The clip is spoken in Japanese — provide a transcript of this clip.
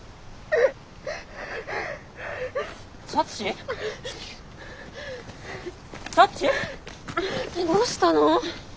えどうしたの？